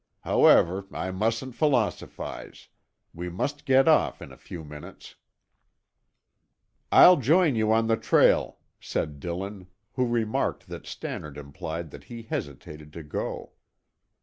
However, I mustn't philosophize. We must get off in a few minutes." "I'll join you on the trail," said Dillon, who remarked that Stannard implied that he hesitated to go.